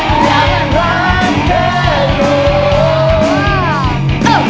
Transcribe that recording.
ที่หลักหลักหวานเธอโห